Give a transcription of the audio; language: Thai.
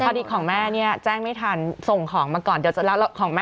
ดีของแม่เนี่ยแจ้งไม่ทันส่งของมาก่อนเดี๋ยวจะรับของแม่